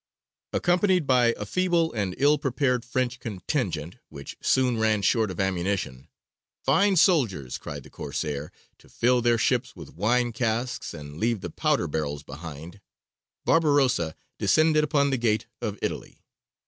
Accompanied by a feeble and ill prepared French contingent, which soon ran short of ammunition "Fine soldiers," cried the Corsair, "to fill their ships with wine casks, and leave the powder barrels behind!" Barbarossa descended upon the Gate of Italy.